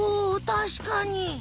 おたしかに。